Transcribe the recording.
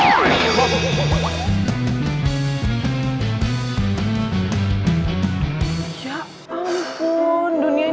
yang ini buat saya